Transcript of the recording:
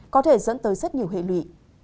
có thể dẫn tới rất nhiều hệ lụy